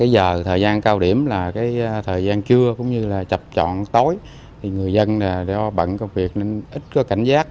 giờ thời gian cao điểm là cái thời gian trưa cũng như là chập chọn tối thì người dân đeo bận công việc nên ít có cảnh giác